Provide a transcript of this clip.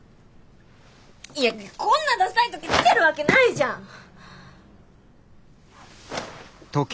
いやこんなダサい時計着けるわけないじゃん！